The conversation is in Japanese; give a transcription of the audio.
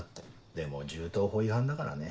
でも銃刀法違反だからね。